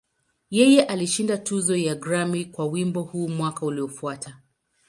Yeye alishinda tuzo ya Grammy kwa wimbo huu mwaka uliofuata.